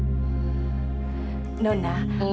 dia sudah menghentikan mama judi